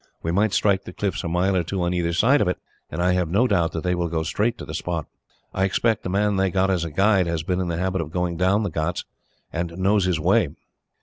We might strike the cliffs a mile or two on either side of it, and I have no doubt they will go straight to the spot. I expect the man they have got as a guide has been in the habit of going down the ghauts, and knows his way.